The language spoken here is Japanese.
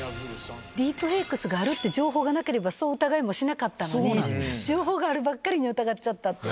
ディープフェイクスがあるっていう情報がなければ、そう疑いもしなかったのに、情報があるばっかりに、疑っちゃったって。